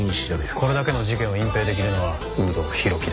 これだけの事件を隠蔽できるのは有働弘樹だ。